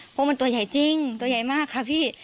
เพราะมันตัวใหญ่จริงตัวใหญ่มากค่ะพี่